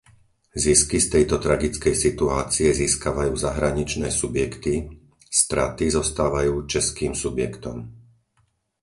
Zisky z tejto tragickej situácie získavajú zahraničné subjekty, straty zostávajú českým subjektom.